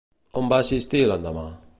On va assistir l'endemà?